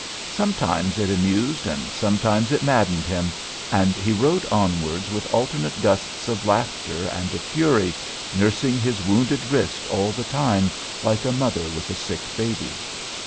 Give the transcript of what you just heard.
Sometimes it amused and sometimes it maddened him, and he rode onwards with alternate gusts of laughter and of fury, nursing his wounded wrist all the time like a mother with a sick baby.